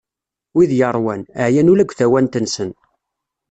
Wid yeṛwan, ɛyan ula deg tawant-nsen.